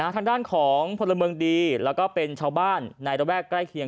ทางด้านของพลเมืองดีแล้วก็เป็นชาวบ้านในระแวกใกล้เคียง